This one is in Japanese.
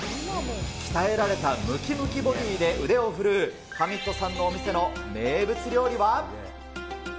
鍛えられたむきむきボディで腕を振るうハミッドさんのお店の名物料理は。